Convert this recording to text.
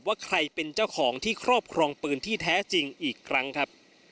ว่าใครเป็นเจ้าของที่ครอบครองปืนที่แท้จริงอีกครั้งครับ